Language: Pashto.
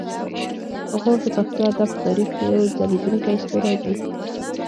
غور د پښتو ادب په تاریخ کې یو ځلیدونکی ستوری دی